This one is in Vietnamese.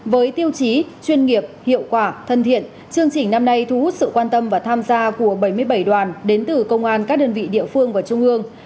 với tiêu chí chuyên nghiệp hiệu quả thân thiện chương trình năm nay thu hút sự quan tâm và tham gia của bảy mươi bảy đoàn đến từ công an các đơn vị địa phương và trung ương